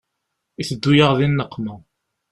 Iteddu-yaɣ di nneqma.